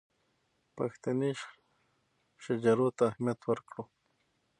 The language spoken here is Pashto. پښتني شجرو ته اهمیت ورکړو.